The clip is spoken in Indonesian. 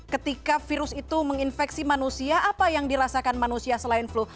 ketika virus itu menginfeksi manusia apa yang dirasakan manusia selain flu